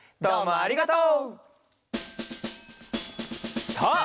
ありがとう。